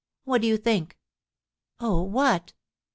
What do you think?" "Oh, what?"